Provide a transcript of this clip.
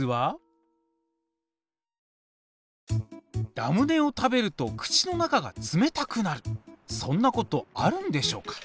ラムネを食べると口の中が冷たくなるそんなことあるんでしょうか。